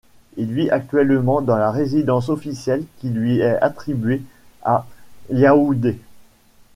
Il vit actuellement dans la résidence officielle qui lui est attribuée à Yaoundé.